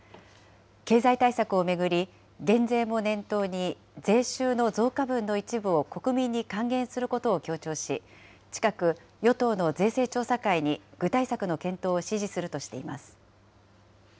経済対策を巡り、減税も念頭に、税収の増加分の一部を国民に還元することを強調し、近く、与党の税制調査会に具体策の検討を指示するとしています。